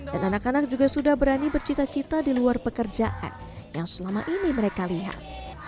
dan anak anak juga sudah berani bercita cita di luar pekerjaan yang selama ini mereka lihat